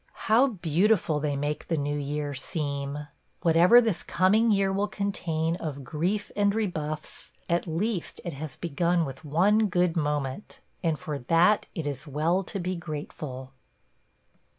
How beautiful they make the new year seem! – Whatever this coming year will contain of grief and rebuffs, at least it has begun with one good moment, and for that it is well to be grateful.